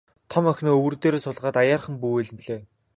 Том охиноо өвөр дээрээ суулгаад аяархан бүүвэйллээ.